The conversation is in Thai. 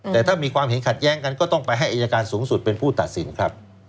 แต่ถ้ามีความเห็นขัดแย้งกันก็ต้องไปให้อายการสูงสุดเป็นผู้ตัดสินครับ